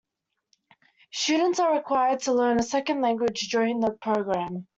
Students are required to learn a second language during the programme.